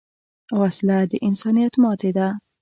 وسله د انسانیت ماتې ده